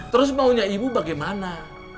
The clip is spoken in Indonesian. terus maunya ibu bagaimana